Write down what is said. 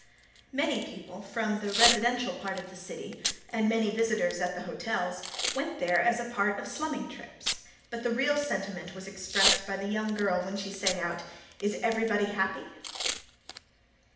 Many people from the residential part of the city, and many visitors at the hotels, went there as a part of slumming trips, but the real sentiment was expressed by the young girl when she sang out "Is everybody happy?"